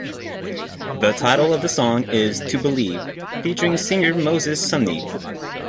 The title of the song is "To Believe" featuring singer Moses Sumney.